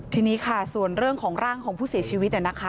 ทีนี้ค่ะส่วนเรื่องของร่างของผู้เสียชีวิตนะคะ